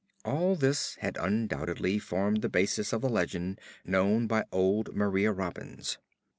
All this had undoubtedly formed the basis of the legend known by old Maria Robbins.